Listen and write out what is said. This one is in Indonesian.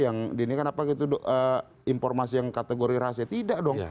nah itu informasi yang kategori rahasia tidak dong